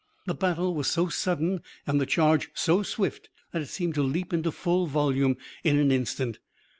The battle was so sudden and the charge so swift that it seemed to leap into full volume in an instant.